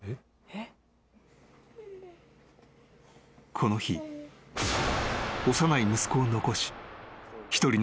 ［この日幼い息子を残し一人の］